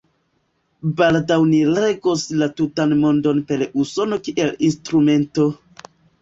Baldaŭ ni regos la tutan Mondon per Usono kiel instrumento.